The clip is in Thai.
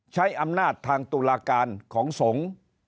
ใช้อำนาจทางตุลาการของสงฆ์